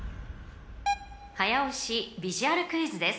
［早押しビジュアルクイズです］